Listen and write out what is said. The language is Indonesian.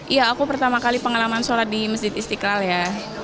iya aku pertama kali pengalaman sholat di masjid istiqlal ya